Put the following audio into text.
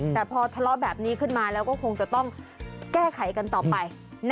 แต่พอทะเลาะแบบนี้ขึ้นมาแล้วก็คงจะต้องแก้ไขกันต่อไป